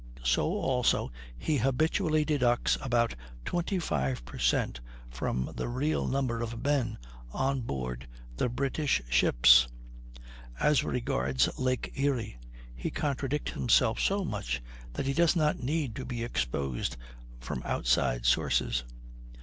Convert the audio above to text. So also he habitually deducts about 25 percent, from the real number of men on board the British ships; as regards Lake Erie he contradicts himself so much that he does not need to be exposed from outside sources.